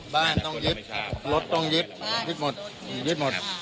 บ้านต้องยึดรถต้องยึดยึดหมดยึดหมด